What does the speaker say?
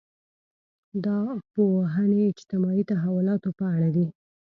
دا پوهنې اجتماعي تحولاتو په اړه دي.